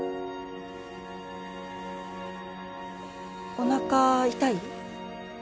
おなか痛い？